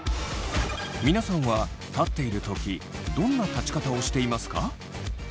皆さんは立っている時どんな立ち方をしていますか？